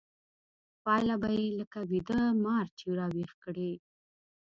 پايله به يې لکه ويده مار چې راويښ کړې.